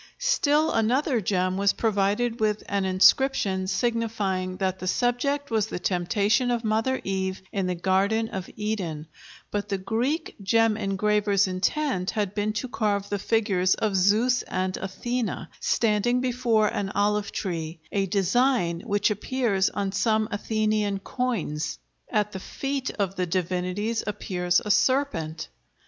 Still another gem was provided with an inscription signifying that the subject was the temptation of Mother Eve in the Garden of Eden, but the Greek gem engraver's intent had been to carve the figures of Zeus and Athena, standing before an olive tree, a design which appears on some Athenian coins; at the feet of the divinities appears a serpent.